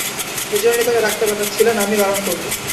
মেজোরানী তাকে ডাকতে পাঠাচ্ছিলেন, আমি বারণ করলুম।